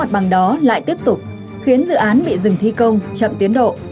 mặt bằng đó lại tiếp tục khiến dự án bị dừng thi công chậm tiến độ